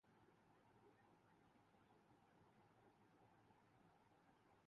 فوج اس ملک میں ہمیشہ سے ہی موج میں رہی ہے اور رہے گی